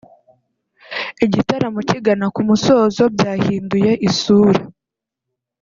Igitaramo kigana ku musozo byahinduye isura